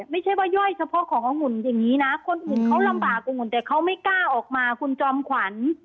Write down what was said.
ไม่ใช่ว่าย่อยเฉพาะขององุ่นอย่างนี้นะคนอื่นเขาลำบากองุ่นแต่เขาไม่กล้าออกมาคุณจอมขวัญ